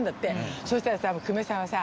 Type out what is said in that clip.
そしたらさ久米さんはさ。